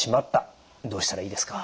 どうしたらいいですか？